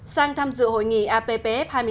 sang tham dự hội nghị app hai mươi sáu